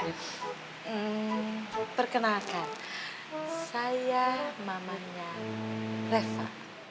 perkenalkan saya mamanya reva